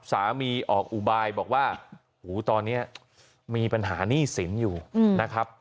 สามีออกอุบายบอกว่าหูตอนนี้มีปัญหาหนี้สินอยู่นะครับ